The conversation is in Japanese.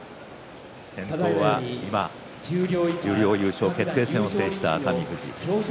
先頭は今、十両優勝決定戦を制した熱海富士。